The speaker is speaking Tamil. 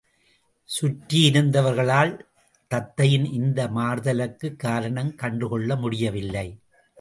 சுற்றியிருந்தவர்களால் தத்தையின் இந்த மாறுதலுக்குக் காரணம் கண்டுகொள்ள முடியவில்லை.